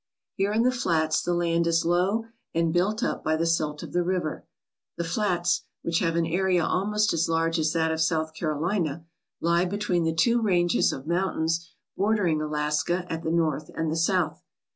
Here in the flats the land is low and built up by the silt of the river. The flats, which have an area almost as large as that of South Carolina, lie between the two ranges of mountains bordering Alaska at the north and the south.